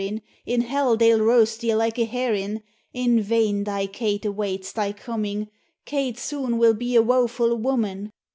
In hell they '11 roast thee like a herrin ! In vain thy Kate awaits thy comin' — Kate soon will be a woefu' woman